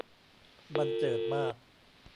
บรรเจิดมาก